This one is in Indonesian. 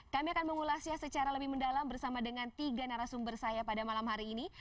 kami akan mengulasnya secara lebih mendalam bersama dengan tiga narasumber saya pada malam hari ini